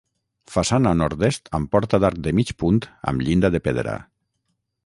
Façana a nord-est amb porta d'arc de mig punt amb llinda de pedra.